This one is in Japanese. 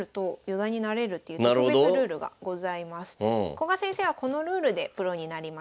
古賀先生はこのルールでプロになりました。